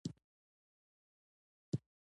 افغانستان ته ستنېدونکو کډوالو ملاتړ کړی دی